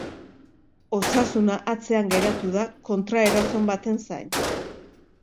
Osasuna atzean geratu da kontraerason baten zain.